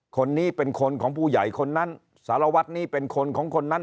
คนนี้เป็นคนของผู้ใหญ่คนนั้นสารวัตรนี้เป็นคนของคนนั้น